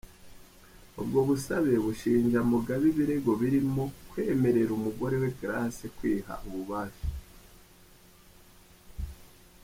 Ubwo busabe bushinja Mugabe ibirego birimo kwemerera umugore we Grace kwiha ububasha.